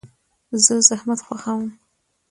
زه زحمت خوښوم.